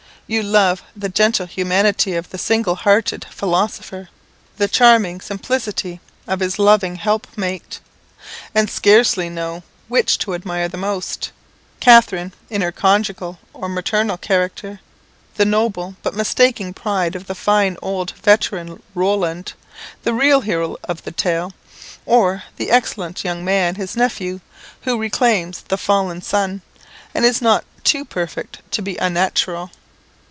You love the gentle humanity of the single hearted philosopher, the charming simplicity of his loving helpmate, and scarcely know which to admire the most Catherine in her conjugal or maternal character the noble but mistaken pride of the fine old veteran Roland, the real hero of the tale or the excellent young man, his nephew, who reclaims the fallen son, and is not too perfect to be unnatural.